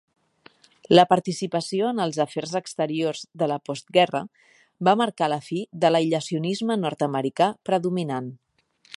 La participació en els afers exteriors de la postguerra va marcar la fi de l'aïllacionisme nord-americà predominant.